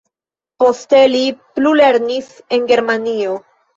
Poste li plulernis en Germanio.